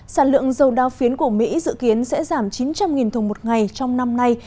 sản lượng dầu đao phiến của mỹ dự kiến sẽ giảm chín trăm linh thùng một ngày trong năm nay